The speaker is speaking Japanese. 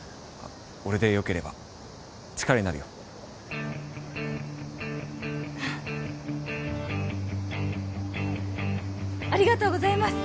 俺でよければ力になるよありがとうございます！